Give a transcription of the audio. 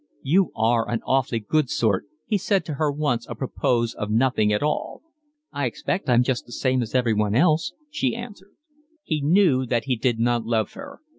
"You are an awfully good sort," he said to her once a propos of nothing at all. "I expect I'm just the same as everyone else," she answered. He knew that he did not love her.